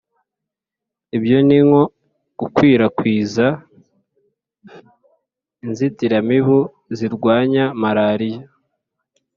ibyo ni nko gukwirakwiza inzitiramibu zirwanya malariya,